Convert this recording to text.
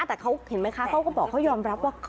แต่เขาเห็นไหมคะเขาก็บอกเขายอมรับว่า